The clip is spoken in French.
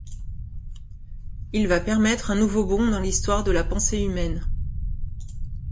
Il va permettre un nouveau bond dans l'histoire de la pensée humaine.